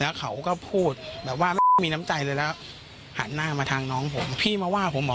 แล้วเขาก็พูดแบบว่าไม่มีน้ำใจเลยแล้วหันหน้ามาทางน้องผมพี่มาว่าผมเหรอ